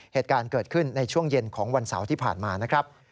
เหตุการณ์เกิดขึ้นในช่วงเย็นของวันเสาร์ที่ผ่านมานะครับ